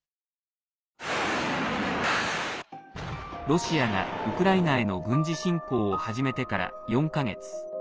ロシアが、ウクライナへの軍事侵攻を始めてから４か月。